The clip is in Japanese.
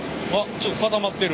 ちょっと固まってる。